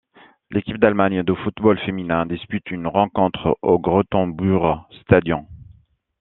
L'équipe d'Allemagne de football féminin dispute une rencontre au Grotenburg-Stadion.